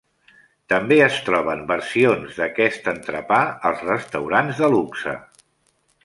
També es troben versions d'aquest entrepà als restaurants de luxe.